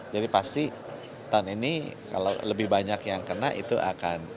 pasti tahun ini kalau lebih banyak yang kena itu akan